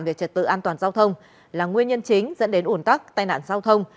về trật tự an toàn giao thông là nguyên nhân chính dẫn đến ủn tắc tai nạn giao thông